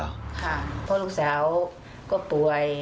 เพราะลูกสาวก็ป่วย